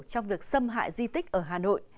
trong việc xâm hại di tích